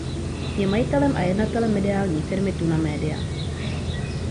Je majitelem a jednatelem mediální firmy "Tuna Media".